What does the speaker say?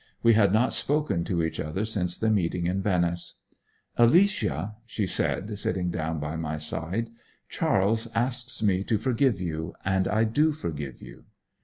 We had not spoken to each other since the meeting in Venice. 'Alicia,' she said, sitting down by my side, 'Charles asks me to forgive you, and I do forgive you.'